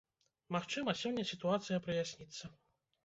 Магчыма, сёння сітуацыя праясніцца.